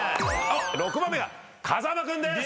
６番目が風間君です。